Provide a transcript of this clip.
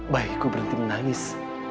baik aku berhenti menangis